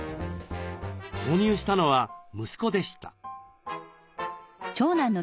購入したのは息子でした。